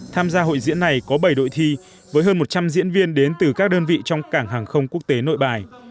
tham gia hội diễn này có bảy đội thi với hơn một trăm linh diễn viên đến từ các đơn vị trong cảng hàng không quốc tế nội bài